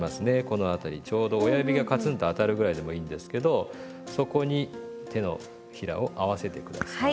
この辺りちょうど親指がカツンと当たるぐらいでもいいんですけどそこに手のひらを合わせて下さい。